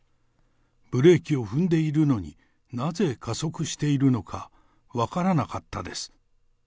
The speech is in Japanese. ブレーキを踏んでいるのに、なぜ加速しているのか、分からなかったです。